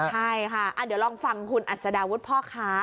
ใช่ค่ะเดี๋ยวลองฟังคุณอัศดาวุฒิพ่อค้า